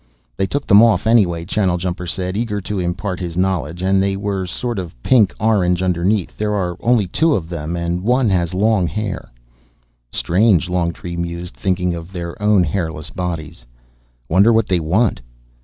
"They took them off anyway," Channeljumper said, eager to impart his knowledge, "and they were sort of pink orange underneath. There are only two of them, and one has long hair." "Strange," Longtree mused, thinking of their own hairless bodies. "Wonder what they want."